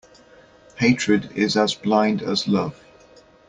Hatred is as blind as love.